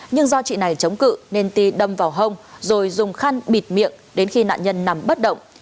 nhưng do chị này chống cự nên ti đâm vào hông rồi dùng khăn bịt miệng đến khi nạn nhân nằm bất động